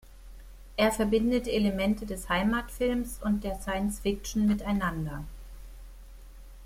Er verbindet Elemente des Heimatfilms und der Science-Fiction miteinander.